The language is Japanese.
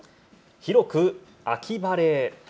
広く秋晴れ。